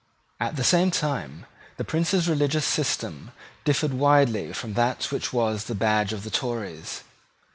At the same time the Prince's religious system differed widely from that which was the badge of the Tories.